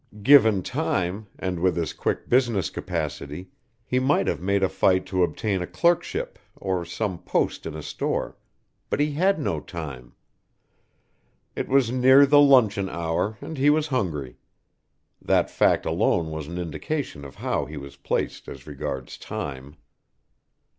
Given time, and with his quick business capacity, he might have made a fight to obtain a clerk ship or some post in a store but he had no time. It was near the luncheon hour and he was hungry. That fact alone was an indication of how he was placed as regards Time.